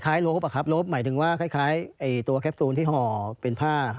คล้ายรวบอ่ะครับรวบหมายถึงคล้ายตัวแคนิคที่หอเป็นผ้า